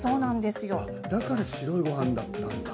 だから白いごはんだったんだ。